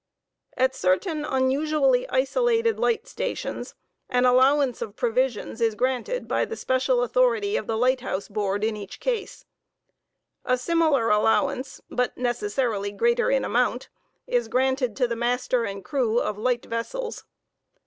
At certain unusually isolated light stations an allowance of provisions is granted by the special authority of the Light House Board in each case* A similar allowance, but necessarily greater in amount, is granted to the master and crew of light vessels.